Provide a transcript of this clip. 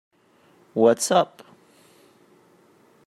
What's up?